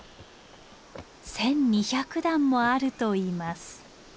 １，２００段もあるといいます。